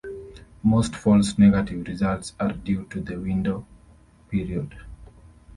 Most false negative results are due to the window period.